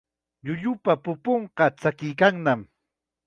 Llullupa pupunqa tsakiykannam.